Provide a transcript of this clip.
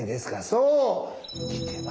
そう！